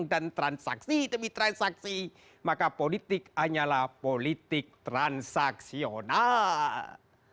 dan transaksi demi transaksi maka politik hanyalah politik transaksional